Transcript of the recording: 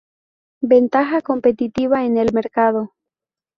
Ventaja competitiva en el mercado.